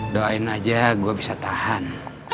doain aja gue bisa tahan